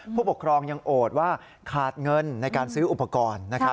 ผู้ปกครองยังโอดว่าขาดเงินในการซื้ออุปกรณ์